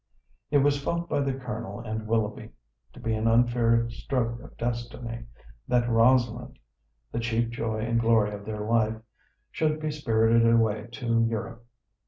It was felt by the Colonel and Willoughby to be an unfair stroke of destiny that Rosalind, the chief joy and glory of their life, should be spirited away to Europe.